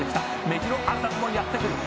「メジロアルダンもやってくる。